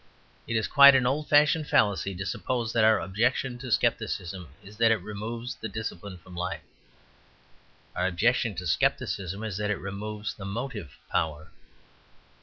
It is quite an old fashioned fallacy to suppose that our objection to scepticism is that it removes the discipline from life. Our objection to scepticism is that it removes the motive power.